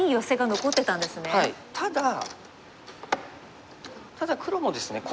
ただ黒もですね